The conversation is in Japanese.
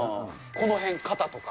この辺、肩とか。